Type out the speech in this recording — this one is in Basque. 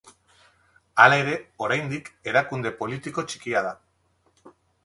Hala ere, oraindik, erakunde politiko txikia da.